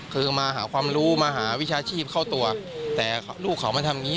คือมาหาความรู้มาหาวิชาชีพเข้าตัวแต่ลูกเขามาทำอย่างนี้